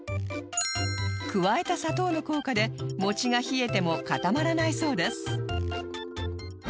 加えた砂糖の効果でもちが冷えても固まらないそうです